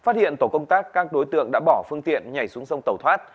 trên tổ công tác các đối tượng đã bỏ phương tiện nhảy xuống sông tàu thoát